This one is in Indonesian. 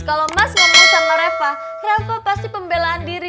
kalau mas ngomong sama reva reva pasti pembelaan diri